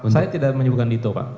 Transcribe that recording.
saya tidak menyebutkan dito pak